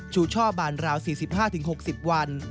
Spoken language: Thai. ช่อบานราว๔๕๖๐วัน